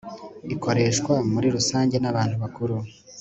ikoreshwa muri rusange nabantu bakuru